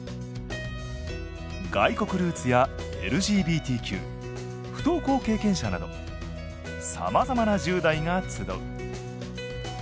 外国ルーツやＬＧＢＴＱ不登校経験者などさまざまな１０代が集う。